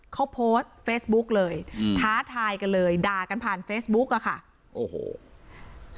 เขาโพสต์เฟซบุ๊กเลยอืมท้าทายกันเลยด่ากันผ่านเฟซบุ๊กอ่ะค่ะโอ้โห